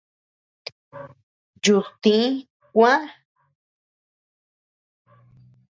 Yudtï kuä.